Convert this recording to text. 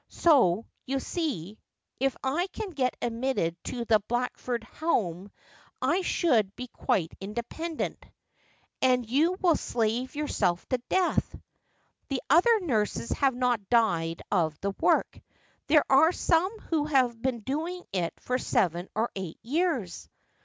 So, you see, if I can get admitted to the Blackford Home, I shall be quite independent.' ' And you will slave yourself to death.' ' The other nurses have not died of the work. There are some who have been doing it for seven or eight years.'